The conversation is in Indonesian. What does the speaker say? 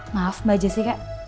maaf mbak jessica